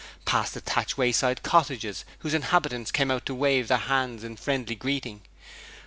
Past thatched wayside cottages whose inhabitants came out to wave their hands in friendly greeting.